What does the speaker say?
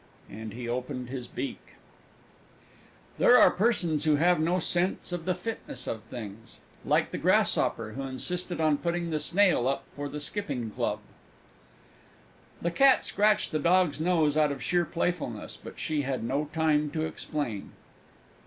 And he opened his beak. There are persons who have no sense of the fitness of things. Like the Grasshopper, who insisted on putting the Snail up for the Skipping Club. The Cat scratched the Dog's nose out of sheer playfulness but she had no time to explain.